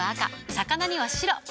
魚には白。